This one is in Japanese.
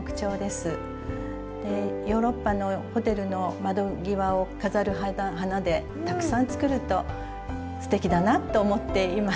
ヨーロッパのホテルの窓際を飾る花でたくさん作るとすてきだなっと思っていますが。